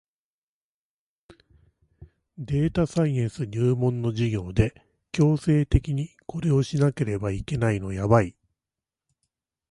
データサイエンス入門の授業で強制的にこれをしなければいけないのやばい